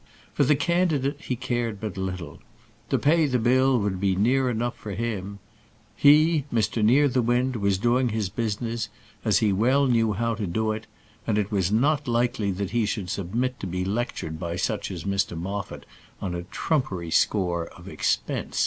For the candidate he cared but little. To pay the bill would be enough for him. He, Mr Nearthewinde, was doing his business as he well knew how to do it; and it was not likely that he should submit to be lectured by such as Mr Moffat on a trumpery score of expense.